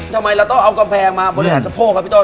ทำไมเราต้องเอากำแพงมาบริหารสะโพกครับพี่ต้น